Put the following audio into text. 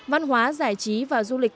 văn hóa giải trí và du lịch